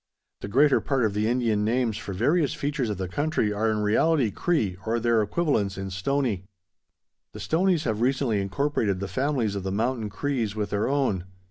The greater part of the Indian names for various features of the country are in reality Cree or their equivalents in Stoney. The Stoneys have recently incorporated the families of the Mountain Crees with their own.